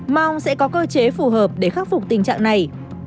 mong sẽ có cơ chế phù hợp để khắc phục tình trạng này